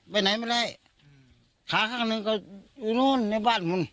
ไปไหนไปไหนขาข้างหนึ่งก็อยู่นู้น